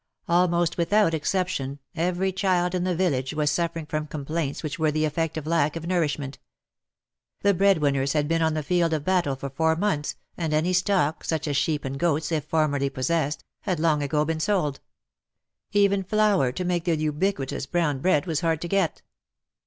Almost without exception every child in the village was suffering from complaints which were the effect of lack of nourishment. The breadwinners had been on the field of battle for four months, and any stock, such as sheep and goats, if formerly possessed, had long ago been sold. Even flour to make the ubiquitous brown bread was hard to get.